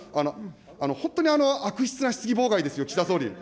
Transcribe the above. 本当に悪質な質疑妨害ですよ、岸田総理。